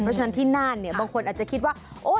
เพราะฉะนั้นที่น่านเนี่ยบางคนอาจจะคิดว่า